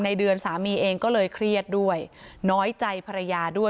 ในเดือนสามีเองก็เลยเครียดด้วยน้อยใจภรรยาด้วย